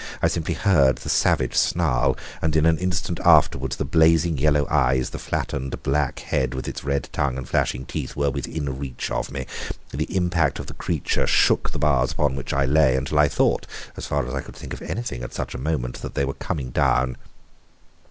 I simply heard the savage snarl, and in an instant afterwards the blazing yellow eyes, the flattened black head with its red tongue and flashing teeth, were within reach of me. The impact of the creature shook the bars upon which I lay, until I thought (as far as I could think of anything at such a moment) that they were coming down.